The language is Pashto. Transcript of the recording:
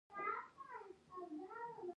د انګرېزانو د ظلم او ستم له چنګاله څخه خلاص شـي.